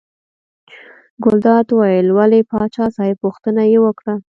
ګلداد وویل ولې پاچا صاحب پوښتنه یې وکړه.